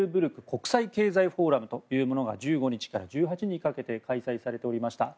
国際経済フォーラムというものが１５から１８日にかけて開催されておりました。